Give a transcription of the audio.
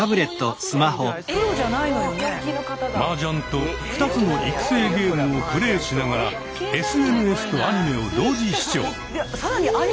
マージャンと２つの育成ゲームをプレーしながらＳＮＳとアニメを同時視聴。